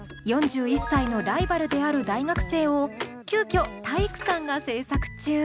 ４１歳のライバルである大学生を急きょ体育さんが制作中。